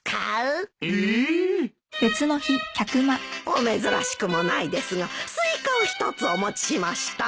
お珍しくもないですがスイカを１つお持ちしました。